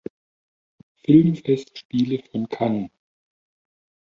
Filmfestspiele von Cannes.